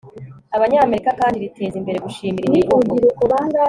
abanyamerika kandi riteza imbere gushimira imivugo